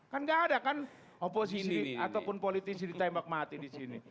kan nggak ada kan oposisi ataupun politisi ditembak mati di sini